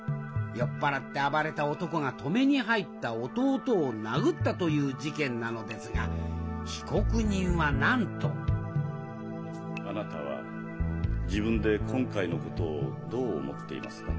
酔っ払って暴れた男が止めに入った弟を殴ったという事件なのですが被告人はなんとあなたは自分で今回のことをどう思っていますか？